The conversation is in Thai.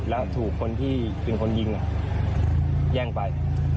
แล้วถูกคนที่เป็นคนยิงแย่งไป